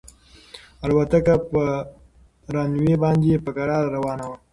الوتکه په رن وې باندې په کراره روانه وه.